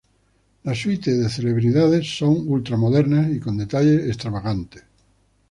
Las suites de celebridades son ultra modernas y con detalles extravagantes.